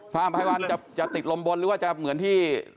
พระอาหารพระไทยคว้าจะติดรมบนหรือว่าจะเหมือนที่